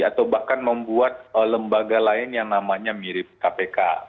atau bahkan membuat lembaga lain yang namanya mirip kpk